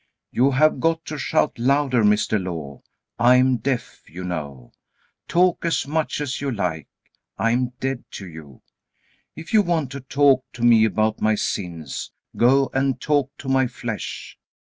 You have got to shout louder, Mr. Law. I am deaf, you know. Talk as much as you like, I am dead to you. If you want to talk to me about my sins, go and talk to my flesh.